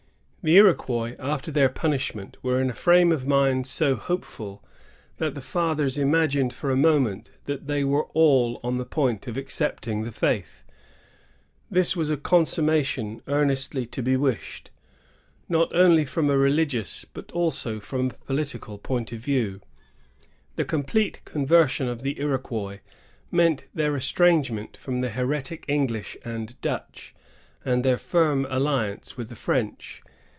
The Iroquois, after their punishment, were in a frame of mind so hopeful that the &thers imagined for a moment that they were all on the point of accepting the faith. This was a consummation eamestiy to be wished, not 1663 1702.] THE JESUITS AND THE IROQUOIS. 117 only from a religious, but also from a political, point of view. The complete conversion of the Iroquois meant their estrangement from the heretic English and Dutch, and their firm alliance with the French.